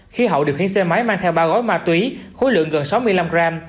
khi hậu điều khiến xe máy mang theo ba gói ma túy khối lượng gần sáu mươi năm gram